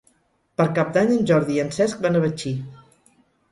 Per Cap d'Any en Jordi i en Cesc van a Betxí.